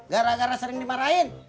gara gara sering dimarahin